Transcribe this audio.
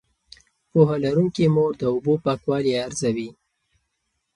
پوهه لرونکې مور د اوبو پاکوالی ارزوي.